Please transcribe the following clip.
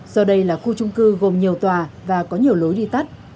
do đây là khu trung cư gồm nhiều tòa và có nhiều lối đi tắt